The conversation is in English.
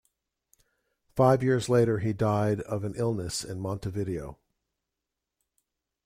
Five years later he died of an illness in Montevideo.